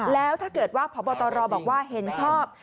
แล้วถ้าเกิดว่าพบตรบอกว่าเห็นชอบ